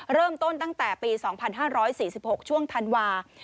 เริ่มต้นตั้งแต่ปี๒๕๔๖ช่วงธันวา